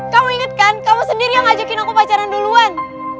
kamu inget kan kamu sendiri yang ngajakin aku pacaran duluan